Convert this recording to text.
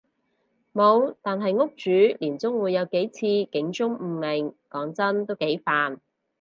無，但係屋主年中會有幾次警鐘誤鳴，講真都幾煩